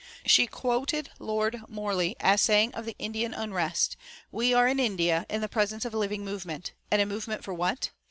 She quoted Lord Morley as saying of the Indian unrest: "'We are in India in the presence of a living movement, and a movement for what?